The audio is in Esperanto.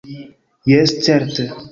Jes, certe.